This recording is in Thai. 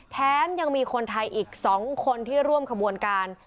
แถมยังมีคนไทยอีก๒คนที่ร่วมขบวนการ